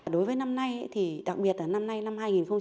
đối với năm nay đặc biệt là năm nay năm hai nghìn một mươi sáu